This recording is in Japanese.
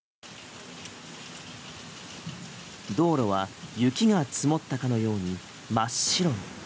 道路は雪が積もったかのように真っ白に。